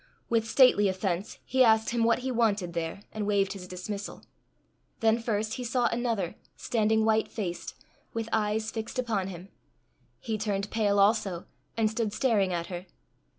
With stately offence he asked him what he wanted there, and waved his dismissal. Then first he saw another, standing white faced, with eyes fixed upon him. He turned pale also, and stood staring at her.